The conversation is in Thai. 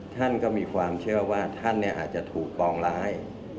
ท่านก็มีความเชื่อว่าท่านอาจจะถูกปองร้าย